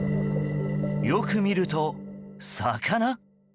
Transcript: よく見ると、魚？